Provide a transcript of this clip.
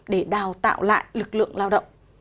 để đào tạo lại lực lượng lao động